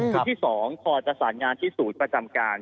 ที่๒พอจะสารงานที่ศูนย์ประจำการ